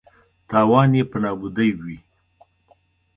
تاوان یې په نابودۍ وي.